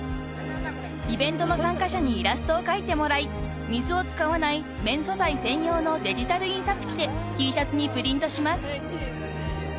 ［イベントの参加者にイラストを描いてもらい水を使わない綿素材専用のデジタル印刷機でＴシャツにプリントします］